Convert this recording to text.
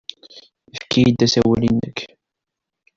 Efk-iyi-d asawal-nnek.